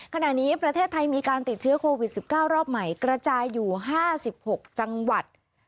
ขณะนี้ประเทศไทยมีการติดเชื้อโควิด๑๙รอบใหม่กระจายอยู่๕๖จังหวัด